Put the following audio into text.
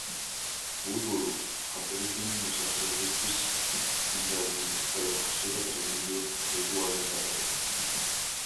ულურუ აბორიგენი მოსახლეობისათვის წმინდა ადგილია, სადაც ხშირად რელიგიურ რიტუალებს ატარებენ.